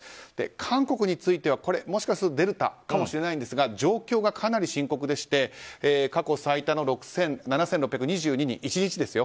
韓国については、もしかするとデルタかもしれないんですが状況がかなり深刻でして過去最多の７６２２人１日ですよ。